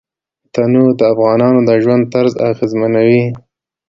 تنوع د افغانانو د ژوند طرز اغېزمنوي.